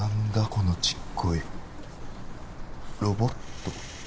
このちっこいロボット？